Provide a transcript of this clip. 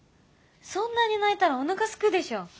そんなに泣いたらおなかすくでしょ？